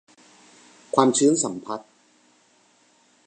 ความชื้นสัมพัทธ์